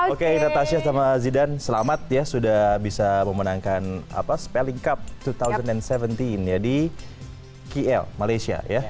oke natasha sama zidan selamat ya sudah bisa memenangkan spelling cup dua ribu tujuh belas di kl malaysia